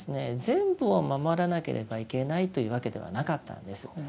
全部を守らなければいけないというわけではなかったんです。